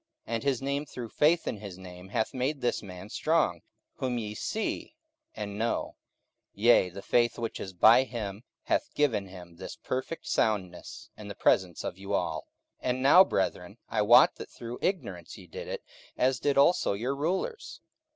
44:003:016 And his name through faith in his name hath made this man strong, whom ye see and know: yea, the faith which is by him hath given him this perfect soundness in the presence of you all. 44:003:017 And now, brethren, I wot that through ignorance ye did it, as did also your rulers.